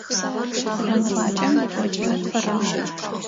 Жъоныгъуакӏэм итӏокӏрэ тфырэм.